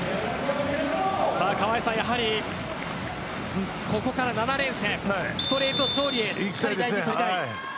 やはり、ここから７連戦ストレート勝利へしっかり大事に取りたい。